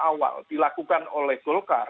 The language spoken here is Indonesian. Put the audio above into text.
awal dilakukan oleh golkar